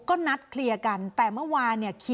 ก็นัดเคลียร์กันแต่เมื่อวานเนี่ย